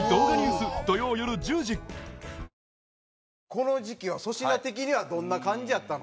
この時期は粗品的にはどんな感じやったの？